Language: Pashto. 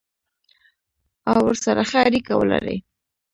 او ورسره ښه اړیکه ولري.